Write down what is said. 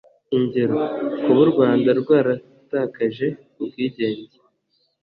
ingero: kuba u rwanda rwaratakaje ubwigenge,